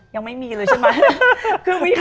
ยังไม่มีเลยใช่ไหม